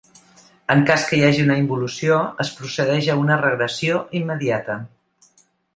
En cas que hi hagi una involució, es procedeix a una regressió immediata.